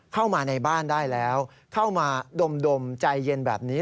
เข้ามาในบ้านได้แล้วเข้ามาดมใจเย็นแบบนี้